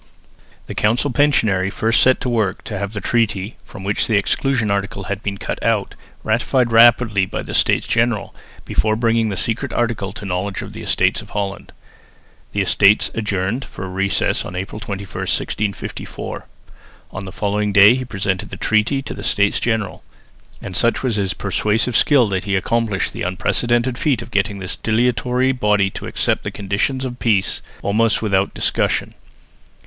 The council pensionary first set to work to have the treaty, from which the exclusion article had been cut out, ratified rapidly by the States General, before bringing the secret article to the knowledge of the Estates of Holland. The Estates adjourned for a recess on April 21, 1654. On the following day he presented the treaty to the States General, and such was his persuasive skill that he accomplished the unprecedented feat of getting this dilatory body to accept the conditions of peace almost without discussion.